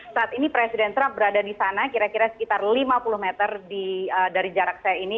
saat ini presiden trump berada di sana kira kira sekitar lima puluh meter dari jarak saya ini